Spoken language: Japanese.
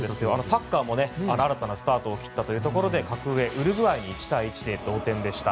サッカーも新たなスタート切ったところで格上ウルグアイに１対１で同点でした。